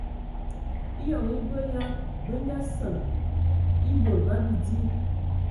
Eyɔŋ e be ya bə nga səŋ e bod ba di.